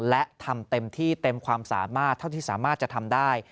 และทำเต็มที่เต็มความสามารถเท่าที่สามารถจะทำได้